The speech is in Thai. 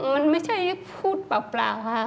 มันไม่ใช่พูดเปล่าค่ะ